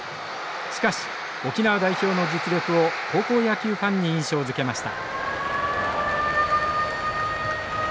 しかし沖縄代表の実力を高校野球ファンに印象づけました。